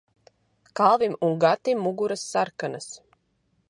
Kalvim un Gatim muguras sarkanas.